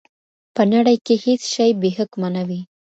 په نړۍ کي هیڅ شی بې حکمه نه وي.